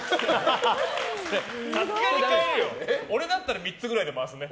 俺だったら３つくらいで回すね。